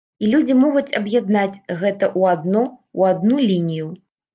І людзі могуць аб'яднаць гэта ў адно, у адну лінію.